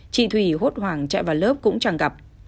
chị thủy hốt hoảng chạy vào lớp cũng chẳng gặp